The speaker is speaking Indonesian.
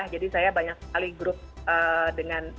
jadi saya banyak sekali grup dengan